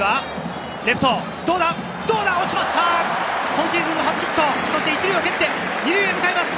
今シーズン初ヒット、そして１塁を蹴って、２塁へ向かいます。